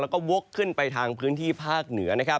แล้วก็วกขึ้นไปทางพื้นที่ภาคเหนือนะครับ